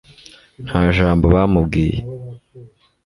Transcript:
nta jambo bamubwiye